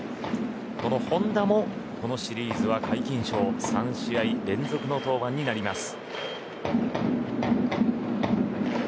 この本田もこのシリーズは皆勤賞３試合連続の登板になります。